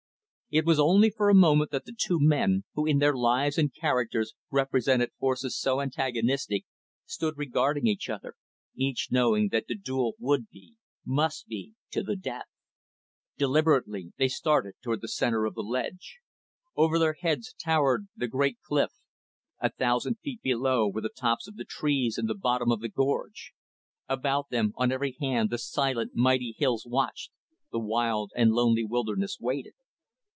It was only for a moment that the two men who in their lives and characters represented forces so antagonistic stood regarding each other, each knowing that the duel would be must be to the death. Deliberately, they started toward the center of the ledge. Over their heads towered the great cliff. A thousand feet below were the tops of the trees in the bottom of the gorge. About them, on every hand, the silent, mighty hills watched the wild and lonely wilderness waited.